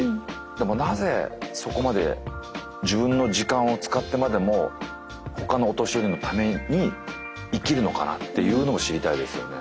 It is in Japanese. でもなぜそこまで自分の時間を使ってまでも他のお年寄りのために生きるのかなっていうのを知りたいですよね。